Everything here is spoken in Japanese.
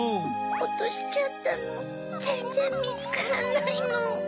おとしちゃったのぜんぜんみつからないの。